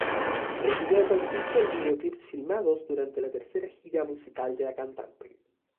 El vídeo consiste en videoclips filmados durante la tercera gira musical de la cantante.